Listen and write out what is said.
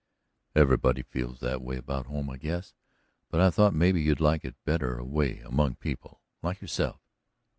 "Everybody feels that way about home, I guess. But I thought maybe you'd like it better away among people like yourself."